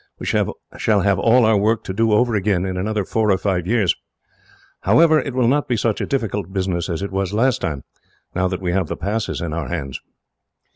We shall have all our work to do over again, in another four or five years. However, it will not be such a difficult business as it was last time, now that we have the passes in our hands."